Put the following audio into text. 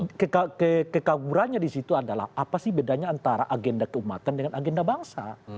nah kekagurannya di situ adalah apa sih bedanya antara agenda keumatan dengan agenda bangsa